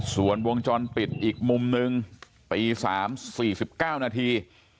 ส่วนวงจรปิดอีกมุมนึงตี๓๔๙นาที